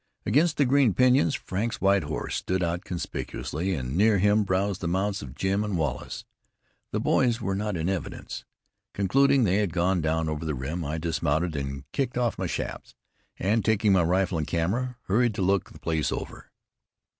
Against the green pinyons Frank's white horse stood out conspicuously, and near him browsed the mounts of Jim and Wallace. The boys were not in evidence. Concluding they had gone down over the rim, I dismounted and kicked off my chaps, and taking my rifle and camera, hurried to look the place over.